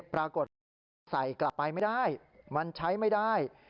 ปรากฏว่าใส่กลับไปไม่ได้มันใช้ไม่ได้